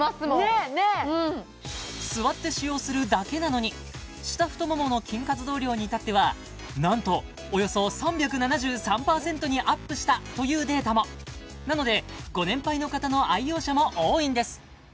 ねっねっ座って使用するだけなのに下太ももの筋活動量に至ってはなんとおよそ３７３％にアップしたというデータもなのでご年配の方の愛用者も多いんです